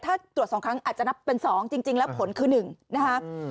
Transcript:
ถ้าตรวจ๒ครั้งอาจจะนับเป็น๒จริงแล้วผลคือ๑นะคะ